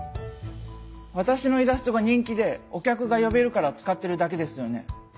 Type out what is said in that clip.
私のイラストが人気でお客が呼べるから使ってるだけですよね。